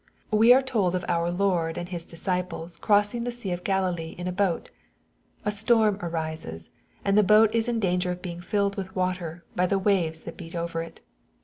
We are told of our Lord and His disciples crossing the sea of Galilee in a boat. A storm arises, and the boat is in danger of being filled with water, by the waves that beat over it.